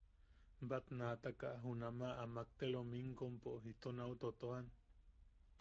Batnaataka junama amak te lominkompo ito nau totojan.